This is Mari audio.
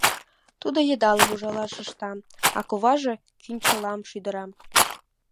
Тудо йыдалым ужалаш ышта, а куваже кӱнчылам шӱдыра.